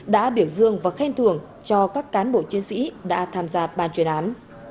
đã biểu dương và khen thường cho các cán bộ chiến sĩ đã tham gia ba chuyên án